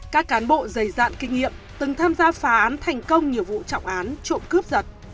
các cán bộ dày dạn kinh nghiệm từng tham gia phá án thành công nhiều vụ trọng án trộm cướp giật